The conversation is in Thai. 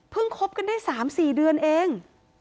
เพิ่งคบกันได้สามสี่เดือนเอง